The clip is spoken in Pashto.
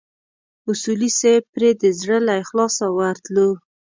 اصولي صیب پرې د زړه له اخلاصه ورتلو.